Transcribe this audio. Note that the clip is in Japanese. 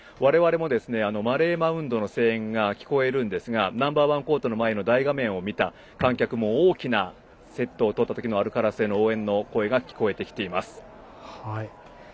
我々もマレー・マウントの声援が聞こえるんですがナンバーワンコートの大画面で映像を見た観客も大きなセットを取った時のアルカラスへの応援の声が聞こえてきています。